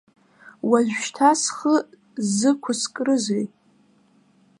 Уажәшьҭа схы зқәыскрызеи?